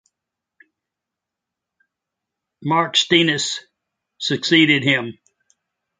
Mark Steines succeeded him.